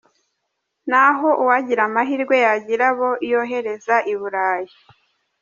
naho uwagira amahirwe yagira abo yohereza i burayi.